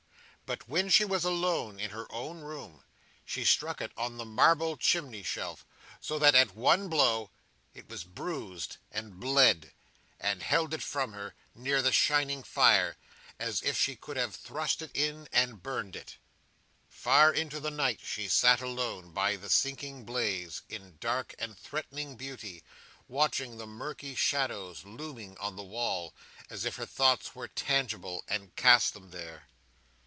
But when she was alone in her own room, she struck it on the marble chimney shelf, so that, at one blow, it was bruised, and bled; and held it from her, near the shining fire, as if she could have thrust it in and burned it. Far into the night she sat alone, by the sinking blaze, in dark and threatening beauty, watching the murky shadows looming on the wall, as if her thoughts were tangible, and cast them there.